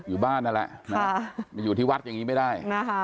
อยู่บ้านนั่นแหละมาอยู่ที่วัดอย่างนี้ไม่ได้นะคะ